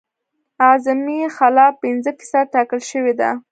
اعظمي خلا پنځه فیصده ټاکل شوې ده